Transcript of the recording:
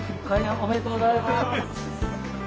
ありがとうございます。